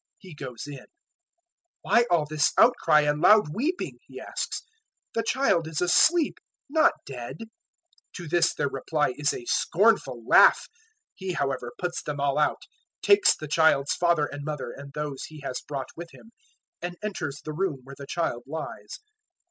005:039 He goes in. "Why all this outcry and loud weeping?" He asks; "the child is asleep, not dead." 005:040 To this their reply is a scornful laugh. He, however, puts them all out, takes the child's father and mother and those He has brought with Him, and enters the room where the child lies.